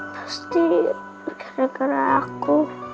pasti gara gara aku